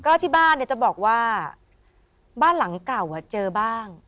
ก็ที่บ้านเนี่ยจะบอกว่าบ้านหลังเก่าเจอบ้าง